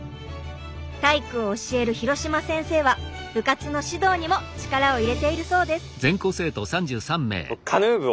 体育を教える廣島先生は部活の指導にも力を入れているそうです。